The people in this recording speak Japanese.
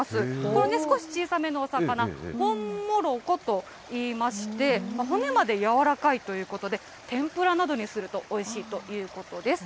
これね、少し小さめのお魚、ホンモロコといいまして、骨まで軟らかいということで、天ぷらなどにするとおいしいということです。